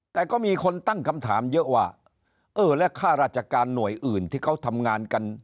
แต่ก็มีคนตั้งคำถามเยอะว่าเออและค่าราชการหน่วยอื่นที่เขาทำงานกัน